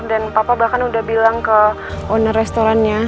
dan papa bahkan udah bilang ke owner restorannya